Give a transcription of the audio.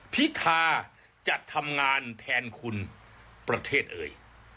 พิธาจะทำงานแทนคุณประเทศเอ่ย